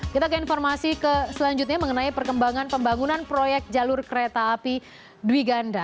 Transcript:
kita ke informasi selanjutnya mengenai perkembangan pembangunan proyek jalur kereta api dwi ganda